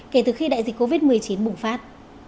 kể từ khi đại dịch covid một mươi chín bùng phát